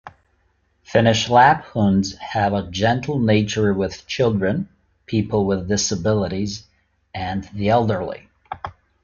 Finnish Lapphunds have a gentle nature with children, people with disabilities, and the elderly.